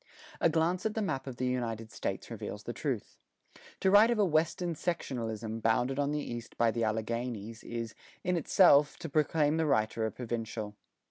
A glance at the map of the United States reveals the truth. To write of a "Western sectionalism," bounded on the east by the Alleghanies, is, in itself, to proclaim the writer a provincial.